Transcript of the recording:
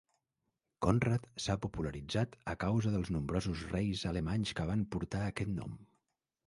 Konrad s'ha popularitzat a causa dels nombrosos reis alemanys que van portar aquest nom.